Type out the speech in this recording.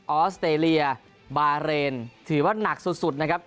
ออสเตรเลียบาเรนถือว่านักสุดนะครับ